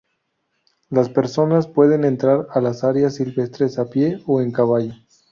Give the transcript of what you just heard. Las personas pueden entrar a las áreas silvestres a pie o en caballo.